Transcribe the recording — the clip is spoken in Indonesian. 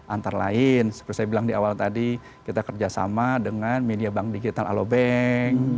antara lain seperti saya bilang di awal tadi kita kerjasama dengan media bank digital alobank